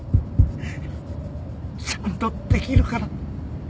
ちゃんとできるから